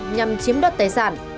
nhằm chiếm đoạt tài sản